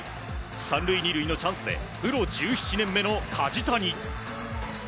３塁２塁のチャンスでプロ１７年目の梶谷。